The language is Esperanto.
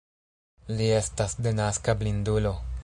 Li estas denaska blindulo.